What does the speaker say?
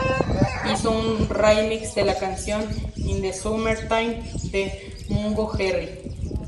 Hizo un remix de la canción "In the Summertime" de Mungo Jerry.